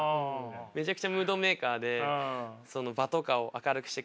めちゃくちゃムードメーカーで場とかを明るくしてくれるんですけど。